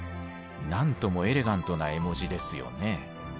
なんともエレガントな絵文字ですよね。